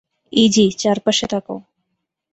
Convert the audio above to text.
Easy, চারপাশে তাকাও।